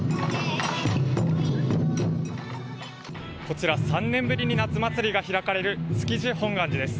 こちら、３年ぶりに夏祭りが開かれる築地本願寺です。